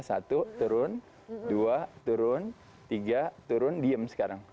satu turun dua turun tiga turun diem sekarang